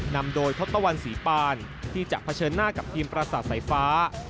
นำโดยทศตวรรณศรีปานที่จะเผชิญหน้ากับทีมประสาทสายฟ้า